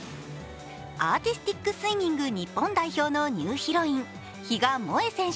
アーティスティックスイミング日本代表のニューヒロイン、比嘉もえ選手